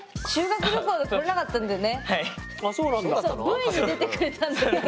Ｖに出てくれたんだけど。